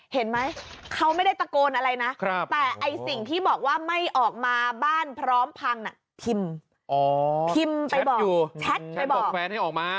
เห็นไหมเขาไม่ได้ตะโกนอะไรนะแต่ไอ้สิ่งที่บอกว่าไม่ออกมาบ้านพร้อมพังพิมพ์พิมพ์ไปบอกอยู่แชทไปบอกแฟนให้ออกมา